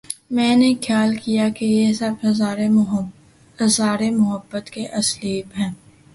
میں نے خیال کیا کہ یہ سب اظہار محبت کے اسالیب ہیں۔